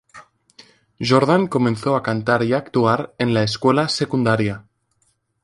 Jordan comenzó a cantar y actuar en la escuela secundaria.